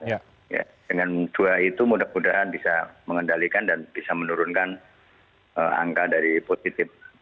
dengan dua itu mudah mudahan bisa mengendalikan dan bisa menurunkan angka dari positif